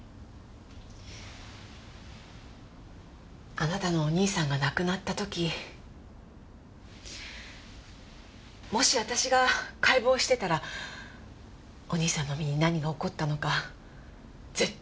あなたのお兄さんが亡くなった時もし私が解剖していたらお兄さんの身に何が起こったのか絶対うやむやにさせなかった。